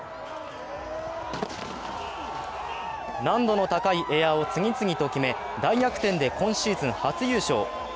難度の高いエアを次々と決め大逆転で今シーズン初優勝。